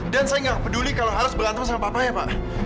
dan saya nggak peduli kalau harus berantem sama papanya pak